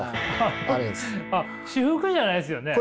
あっ私服じゃないですよね？